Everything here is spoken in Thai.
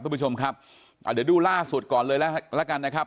คุณผู้ชมครับอ่าเดี๋ยวดูล่าสุดก่อนเลยแล้วกันนะครับ